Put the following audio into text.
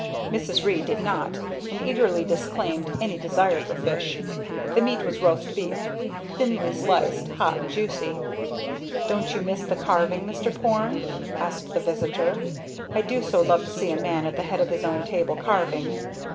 Mrs. Ree did not, and eagerly disclaimed any desire for fish. The meat was roast beef, thinly sliced, hot and juicy. "Don't you miss the carving, Mr. Porne?" asked the visitor. "I do so love to see a man at the head of his own table, carving."